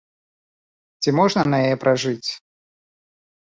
Ці можна на яе пражыць?